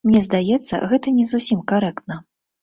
Мне здаецца, гэта не зусім карэктна.